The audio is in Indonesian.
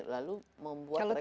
lalu membuat rekomendasi